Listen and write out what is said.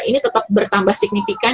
ini tetap bertambah signifikan